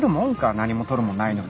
何もとるもんないのに。